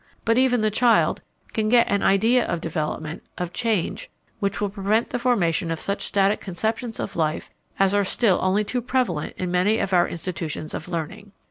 But even the child can get an idea of development, of change, which will prevent the formation of such static conceptions of life as are still only too prevalent in many of our institutions of learning.